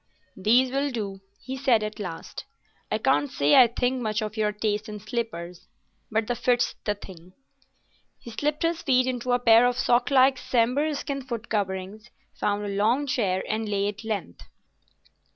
"These will do," he said at last; "I can't say I think much of your taste in slippers, but the fit's the thing." He slipped his feet into a pair of sock like sambhur skin foot coverings, found a long chair, and lay at length.